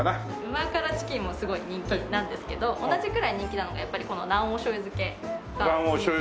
旨辛チキンもすごい人気なんですけど同じくらい人気なのがやっぱりこの卵黄醤油漬けが人気で。